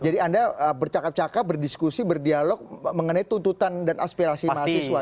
jadi anda bercakap cakap berdiskusi berdialog mengenai tuntutan dan aspirasi mahasiswa gitu ya